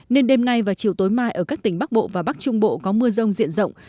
nên đêm nay và chiều tối mai ở các tỉnh bắc bộ và bắc trung bộ có mưa rông diện rộng